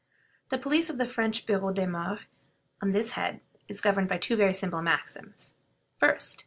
The policy of the French Bureau des Moeurs on this head is governed by two very simple maxims: 1st.